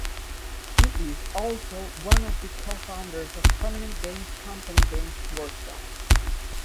He is also one of the co-founders of prominent games company Games Workshop.